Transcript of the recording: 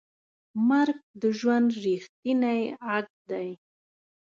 مرګ د ژوند ریښتینی عکس دی.